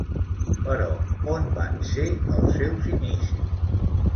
Però on van ser els seus inicis?